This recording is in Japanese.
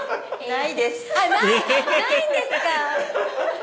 ないんですか？